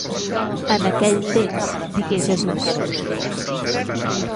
En aquell temps digué Jesús...